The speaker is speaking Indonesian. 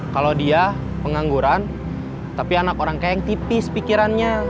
kalau dia pengangguran tapi anak orang kayang tipis pikirannya